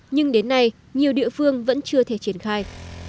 nhưng đến nay nhiều địa phương vẫn chưa thể triển khai